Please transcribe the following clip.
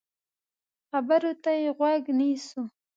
خبرو ته يې غوږ نیسو.